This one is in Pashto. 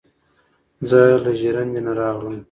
ـ زه له ژړندې نه راغلم،